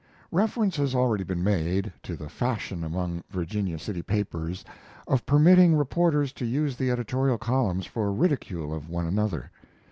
Reference has already been made to the fashion among Virginia City papers of permitting reporters to use the editorial columns for ridicule of one another.